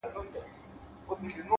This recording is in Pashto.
دا ټپه ورته ډالۍ كړو دواړه،